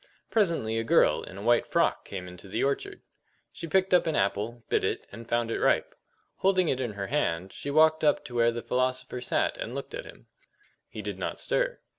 Presently a girl in a white frock came into the orchard. She picked up an apple, bit it, and found it ripe. Holding it in her hand, she walked up to where the philosopher sat, and looked at him. He did not stir.